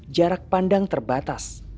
jarak pandang terbatas